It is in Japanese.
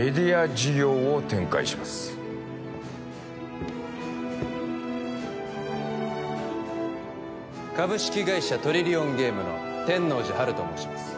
事業を展開します株式会社トリリオンゲームの天王寺陽と申します